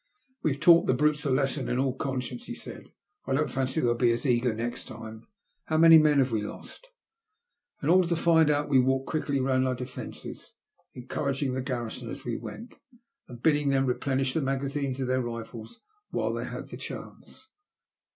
''We've taught the brutes a lesson in all con science/' he said. " I don't fancy they'll be as eager next time. How many men have we lost ?" In order to find out, we walked quickly round our defences, encouraging the garrison as we went, and bidding them replenish the magazines of their rifles while they had the chance.